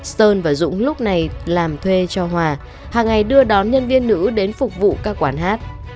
sơn và dũng lúc này làm thuê cho hòa hàng ngày đưa đón nhân viên nữ đến phục vụ các quán hát